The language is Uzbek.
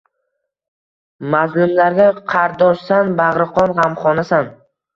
Mazlumlarga qardoshsan, bagʼri qon gʼamxonasan.